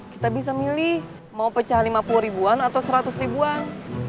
kita bisa milih mau pecah lima puluh ribuan atau seratus ribuan